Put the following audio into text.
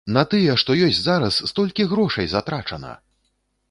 На тыя, што ёсць зараз столькі грошай затрачана!